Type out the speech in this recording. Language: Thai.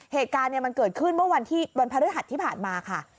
เหตุการณ์มันเกิดขึ้นเมื่อวันพระฤทธิ์ที่ผ่านมาค่ะ